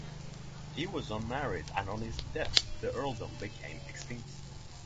He was unmarried and on his death the earldom became extinct.